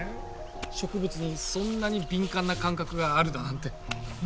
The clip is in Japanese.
植物にそんなに敏感な感覚があるだなんて。